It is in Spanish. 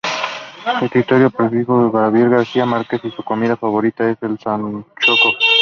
Su escritor preferido es Gabriel García Márquez y su comida favorita es el sancocho.